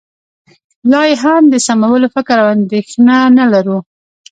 لا یې هم د سمولو فکر او اندېښنه نه لرو